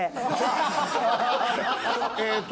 えっと。